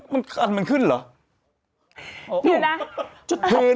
มันขึ้นเหรอ